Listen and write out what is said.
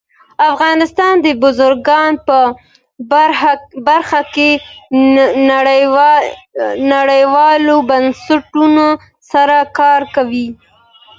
افغانستان د بزګان په برخه کې نړیوالو بنسټونو سره کار کوي.